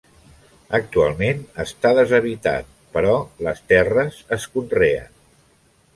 Actualment està deshabitat, però les terres es conreen.